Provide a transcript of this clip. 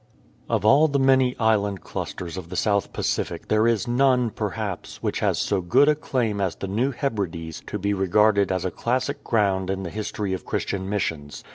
OF all the many island clusters of the South Pacific there is none, perhaps, which has so good a claim as the New Hebrides to be regarded as classic ground in the history of Christian missions.